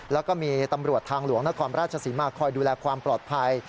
แล้วก็มีตำรวจทางหลวงนครราชศรีมาคอยดูแลความปลอดภัย